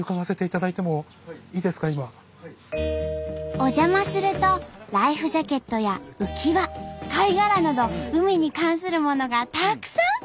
お邪魔するとライフジャケットや浮き輪貝殻など海に関するものがたくさん！